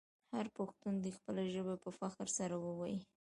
هر پښتون دې خپله ژبه په فخر سره وویې.